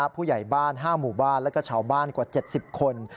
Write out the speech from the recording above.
ผู้ใหญ่บ้าน๕หมู่บ้านและชาวบ้านกว่า๗๐คน